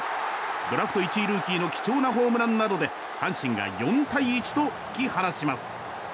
ドラフト１位ルーキーの貴重なホームランなどで阪神が４対１と引き離します。